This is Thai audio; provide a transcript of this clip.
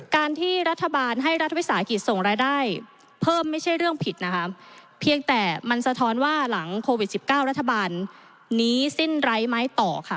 การที่รัฐบาลให้รัฐวิสาหกิจส่งรายได้เพิ่มไม่ใช่เรื่องผิดนะคะเพียงแต่มันสะท้อนว่าหลังโควิดสิบเก้ารัฐบาลนี้สิ้นไร้ไม้ต่อค่ะ